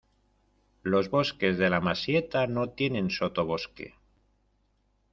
Los bosques de la Masieta no tienen sotobosque.